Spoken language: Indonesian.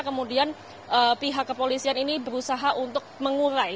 kemudian pihak kepolisian ini berusaha untuk mengurai